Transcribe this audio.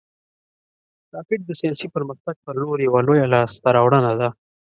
راکټ د ساینسي پرمختګ پر لور یوه لویه لاسته راوړنه ده